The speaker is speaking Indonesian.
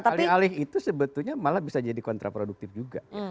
alih alih itu sebetulnya malah bisa jadi kontraproduktif juga